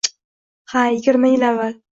— Ha, yigirma yil avval.